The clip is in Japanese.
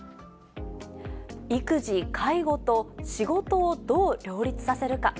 育児・介護と仕事をどう両立させるか。